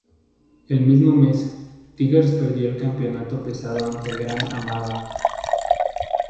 El mismo mes, Tigers perdió el Campeonato Pesado ante Gran Hamada.